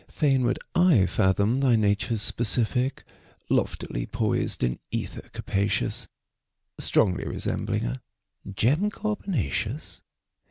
Fain would I fathom thy nature's specific Loftily poised in ether capacious. Strongly resembling a gem carbonaceous.